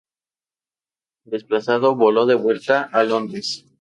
Desplazado, voló de vuelta a Londres.